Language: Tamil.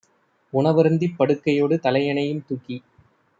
உணவருந்திப் படுக்கையொடு தலையணையும் தூக்கி